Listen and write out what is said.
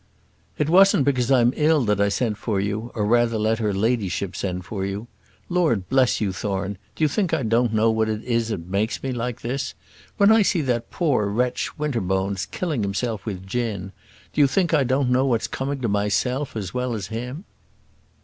"It wasn't because I'm ill that I sent for you, or rather let her ladyship send for you. Lord bless you, Thorne; do you think I don't know what it is that makes me like this? When I see that poor wretch, Winterbones, killing himself with gin, do you think I don't know what's coming to myself as well as him?